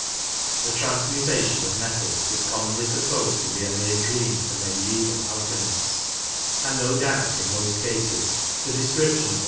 The transmutation ^^^n"' of metals is commonly supposed to be a mere dream of the mediaeval alchemists, and no doubt in most cases the description of the.